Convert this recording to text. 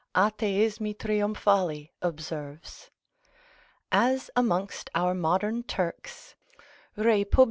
atheismi triumphali observes), as amongst our modern Turks, reipub.